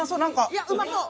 いやっうまそう！